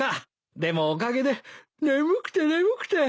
でもおかげで眠くて眠くて。